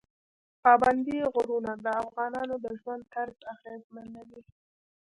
پابندی غرونه د افغانانو د ژوند طرز اغېزمنوي.